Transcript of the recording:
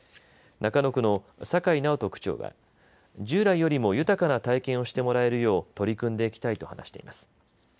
中野区の酒井直人区長は従来よりも豊かな体験をしてもらえるよう取り組んでいきたいと話しています。